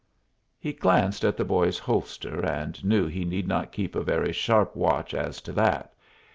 He glanced at the boy's holster, and knew he need not keep a very sharp watch as to that.